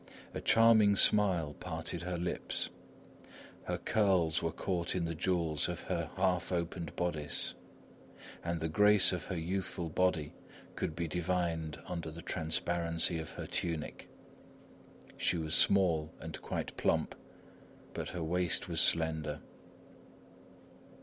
A charming smile parted her lips. Her curls were caught in the jewels of her half opened bodice, and the grace of her youthful body could be divined under the transparency of her tunic. She was small and quite plump, but her waist was slender.